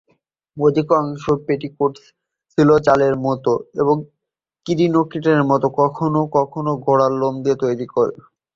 অধিকাংশ পেটিকোট ছিল জালের মতো ক্রিনোলিনের মতো, কখনও কখনও ঘোড়ার লোম দিয়ে তৈরি।